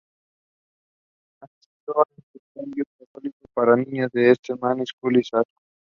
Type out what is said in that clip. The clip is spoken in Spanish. Asistió al internado católico para niñas St Mary's School de Ascot.